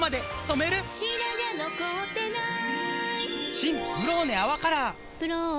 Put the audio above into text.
新「ブローネ泡カラー」「ブローネ」